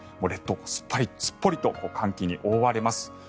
列島すっぽりと寒気に覆われます。